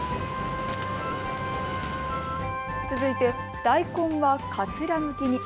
続いて大根はかつらむきに。